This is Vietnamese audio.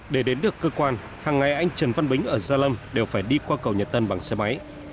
để đến được cơ quan hàng ngày anh trần văn bính ở gia lâm đều phải đi qua cầu nhật tân bằng xe máy